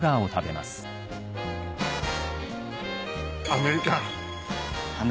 アメリカン。